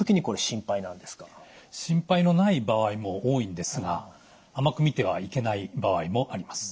心配のない場合も多いんですが甘く見てはいけない場合もあります。